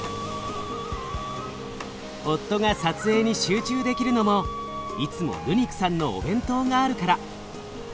夫が撮影に集中できるのもいつもルニクさんのお弁当があるから。